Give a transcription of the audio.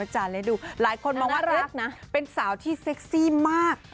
หลายคนมองว่าเป็นสาวที่เซ็กซี่มากนะน่ารัก